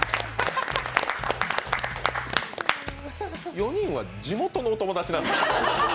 ４人は地元のお友達なんですか？